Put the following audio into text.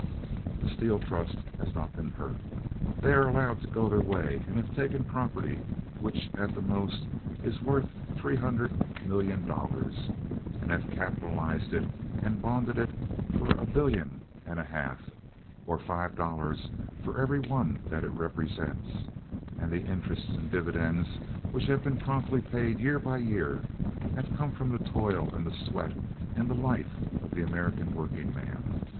The Steel Trust has not been hurt. They are allowed to go their way, and they have taken property, which at the most, is worth three hundred million dollars and have capitalized it and bonded it for a billion and a half, or five dollars for every one that it represents, and the interests and dividends which have been promptly paid year by year have come from the toil and the sweat and the life of the American workingman.